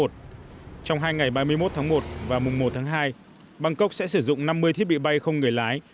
trong hai ngày ba mươi một tháng một và mùng một tháng hai bangkok sẽ sử dụng năm mươi thiết bị bay không người lái